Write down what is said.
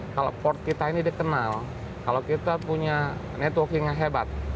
kalau port kita ini dikenal kalau kita punya networking yang hebat